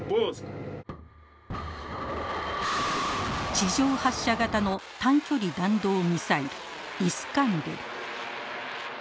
地上発射型の短距離弾道ミサイルイスカンデル。